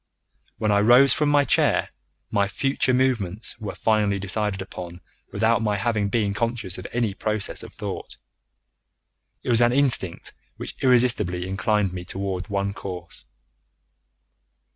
When I rose from my chair my future movements were finally decided upon without my having been conscious of any process of thought. It was an instinct which irresistibly inclined me towards one course.